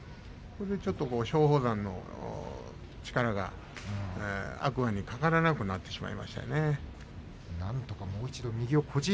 松鳳山の力が天空海にかからなくなってしまいましたね。